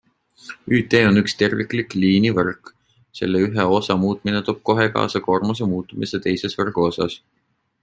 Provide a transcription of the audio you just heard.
ÜT on üks terviklik liinivõrk, selle ühe osa muutmine toob kohe kaasa koormuse muutumise teises võrgu osas.